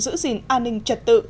giữ gìn an ninh trật tự